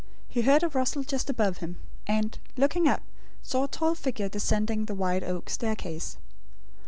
He heard a rustle just above him; and, looking up, saw a tall figure descending the wide oak staircase.